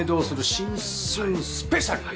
新春スペシャル」